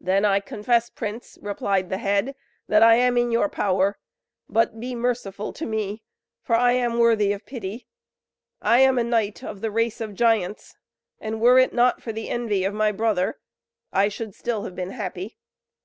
"Then I confess, prince," replied the head; "that I am in your power; but be merciful to me, for I am worthy of pity. I am a knight of the race of giants, and were it not for the envy of my brother, I should still have been happy.